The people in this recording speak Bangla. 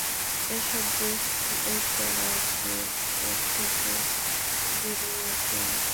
এসব গেস্ট লেকচারারদের কোত্থেকে যে নিয়ে আসে!